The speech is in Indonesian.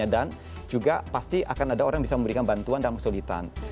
dan juga pasti akan ada orang bisa memberikan bantuan dalam kesulitan